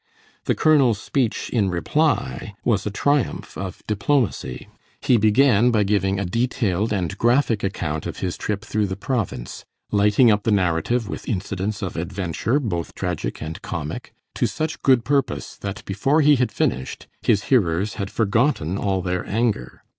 The colonel's speech in reply was a triumph of diplomacy. He began by giving a detailed and graphic account of his trip through the province, lighting up the narrative with incidents of adventure, both tragic and comic, to such good purpose that before he had finished his hearers had forgotten all their anger.